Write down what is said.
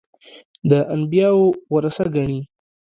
د انبیاوو ورثه ګڼي.